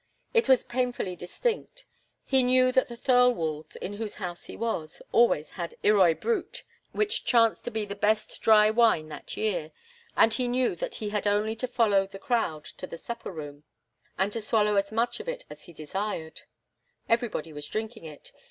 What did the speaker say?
It was painfully distinct. He knew that the Thirlwalls, in whose house he was, always had Irroy Brut, which chanced to be the best dry wine that year, and he knew that he had only to follow the crowd to the supper room and swallow as much of it as he desired. Everybody was drinking it.